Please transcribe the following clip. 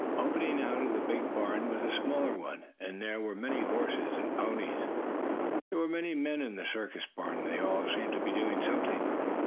Opening out of the big barn was a smaller one, and in that were many horses and ponies. There were many men in the circus barn, and they all seemed to be doing something.